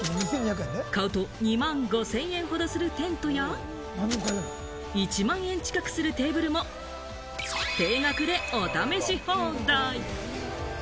買うと２万５０００円ほどするテントや、１万円近くするテーブルも、定額でお試し放題。